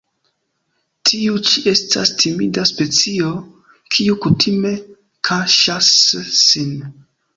Tiu ĉi estas timida specio kiu kutime kaŝas sin.